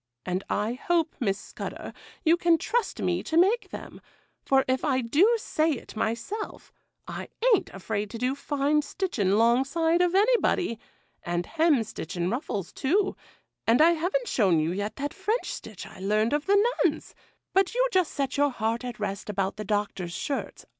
And I hope, Miss Scudder, you can trust me to make them; for if I do say it myself, I a'n't afraid to do fine stitching 'longside of anybody,—and hemstitching ruffles, too; and I haven't shown you yet that French stitch I learned of the nuns;—but you just set your heart at rest about the Doctor's shirts.